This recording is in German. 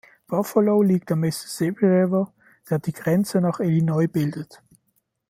Buffalo liegt am Mississippi River, der die Grenze nach Illinois bildet.